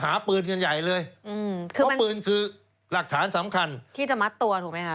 หาปืนกันใหญ่เลยอืมค่ะเพราะปืนคือหลักฐานสำคัญที่จะมัดตัวถูกไหมคะ